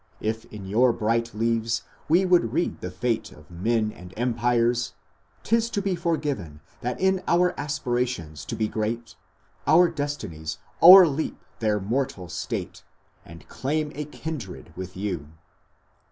If in your bright leaves we would read the fate Of men and empires 't is to be forgiven That in our aspirations to be great, Our destinies o'erleap their mortal state And claim a kindred with you....